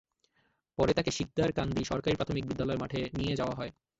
পরে তাঁকে শিকদার কান্দি সরকারি প্রাথমিক বিদ্যালয় মাঠে নিয়ে যাওয়া হয়।